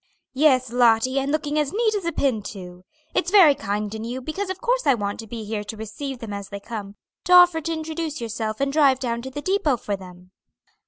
"Yes, Lottie, and looking as neat as a pin, too. It's very kind in you, because of course I want to be here to receive them as they come, to offer to introduce yourself and drive down to the depot for them."